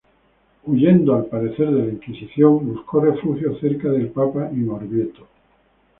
Huyendo al parecer de la Inquisición, buscó refugio cerca del Papa en Orvieto.